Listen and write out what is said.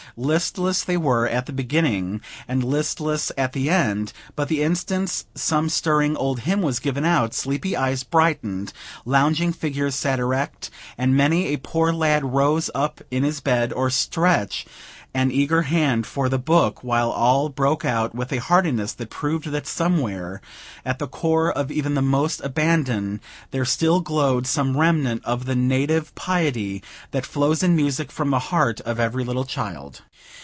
Listless they were at the beginning, and listless at the end; but the instant some stirring old hymn was given out, sleepy eyes brightened, lounging figures sat erect, and many a poor lad rose up in his bed, or stretch an eager hand for the book, while all broke out with a heartiness that proved that somewhere at the core of even the most abandoned, there still glowed some remnant of the native piety that flows in music from the heart of every little child.